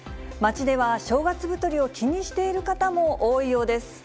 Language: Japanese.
街では正月太りを気にしている方も多いようです。